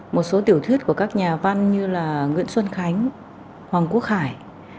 một số tiểu thuyết của các nhà văn như là nguyễn xuân khánh hoàng quốc khải